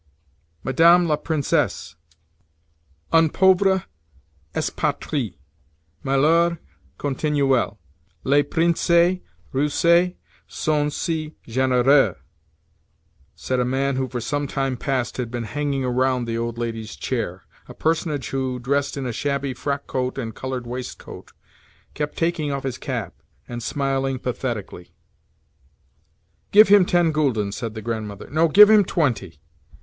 "Madame la princesse—Un pauvre expatrié—Malheur continuel—Les princes russes sont si généreux!" said a man who for some time past had been hanging around the old lady's chair—a personage who, dressed in a shabby frockcoat and coloured waistcoat, kept taking off his cap, and smiling pathetically. "Give him ten gülden," said the Grandmother. "No, give him twenty.